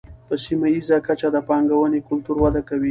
په سیمه ییزه کچه د پانګونې کلتور وده کوي.